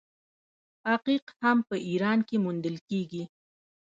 عقیق هم په ایران کې موندل کیږي.